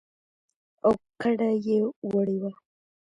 او کډه يې وړې وه.